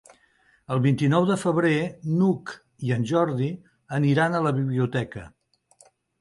El vint-i-nou de febrer n'Hug i en Jordi aniran a la biblioteca.